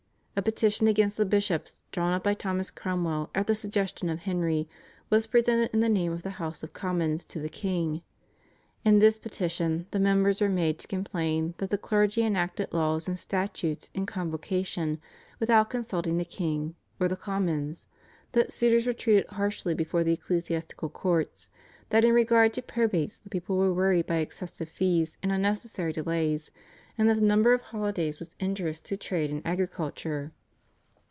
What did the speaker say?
A petition against the bishops, drawn up by Thomas Cromwell at the suggestion of Henry, was presented in the name of the House of Commons to the king. In this petition the members were made to complain that the clergy enacted laws and statutes in Convocation without consulting the king or the Commons, that suitors were treated harshly before the ecclesiastical courts, that in regard to probates the people were worried by excessive fees and unnecessary delays, and that the number of holidays was injurious to trade and agriculture.